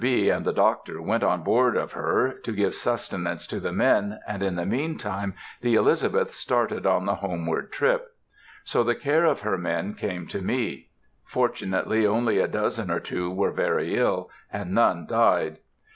B. and the doctor went on board of her, to give sustenance to the men, and in the mean time the Elizabeth started on the homeward trip. So the care of her men came to me. Fortunately only a dozen or two were very ill, and none died.